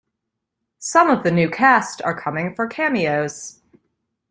Some of the new cast are coming for cameos.